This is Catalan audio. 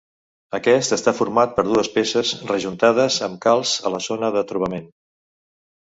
Aquest està format per dues peces rejuntades amb calç a la zona de trobament.